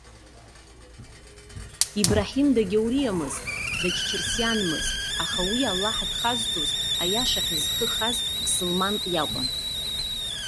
Ибраҳим дагьауриамызт дагьқьырсианмызт. Аха уи Аллаҳ дхазҵоз, аиашахь зхы хаз ԥсылманк иакәын.